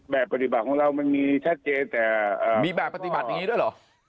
แบบปฏิบัติของเรามันมีชัดเจนแต่มีแบบปฏิบัติด้วยหรอ